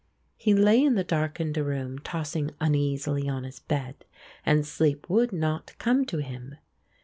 He lay in the darkened room tossing uneasily on his bed and sleep would not come to him.